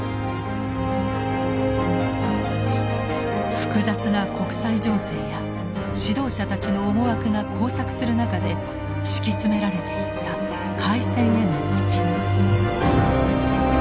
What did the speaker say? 複雑な国際情勢や指導者たちの思惑が交錯する中で敷き詰められていった開戦への道。